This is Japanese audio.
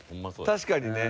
確かにね。